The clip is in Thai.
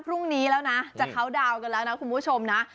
พรุ่งนี้แล้วนะจะเข้าดาวน์กันแล้วนะคุณผู้ชมนะ